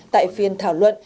tại phiên thảo luận